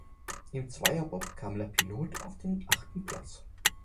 Im Zweierbob kam der Pilot auf den achten Platz.